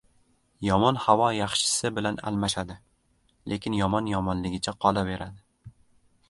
• Yomon havo yaxshisi bilan almashadi, lekin yomon yomonligicha qolaveradi.